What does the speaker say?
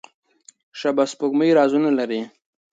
شبح سپوږمۍ رازونه لري.